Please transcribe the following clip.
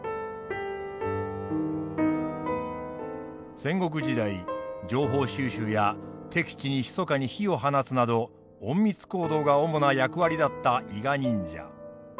戦国時代情報収集や敵地にひそかに火を放つなど隠密行動が主な役割だった伊賀忍者。